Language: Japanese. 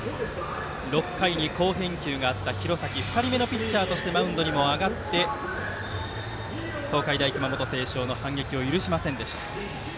６回で好返球があった廣崎２人目のピッチャーとしてマウンドに上がって東海大熊本星翔の反撃を許しませんでした。